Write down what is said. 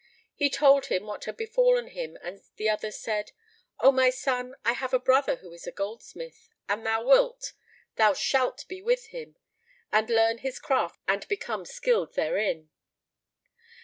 He told him what had befallen him and the other said, "O my son, I have a brother who is a goldsmith; an thou wilt, thou shalt be with him and learn his craft and become skilled therein."